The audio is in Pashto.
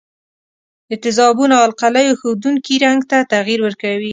د تیزابونو او القلیو ښودونکي رنګ ته تغیر ورکوي.